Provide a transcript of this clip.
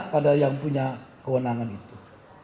pada yang punya kewenangan itu